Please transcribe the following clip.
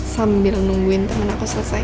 sambil nungguin temen aku selesai